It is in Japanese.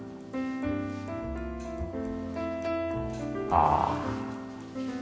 ああ。